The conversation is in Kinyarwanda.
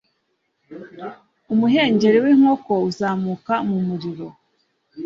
umuhengeri w'inkoko uzamuka mu muriro